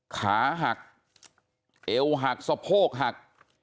ขาหักเอวหักสะโพกหัก